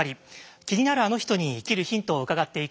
気になるあの人に生きるヒントを伺っていくシリーズです。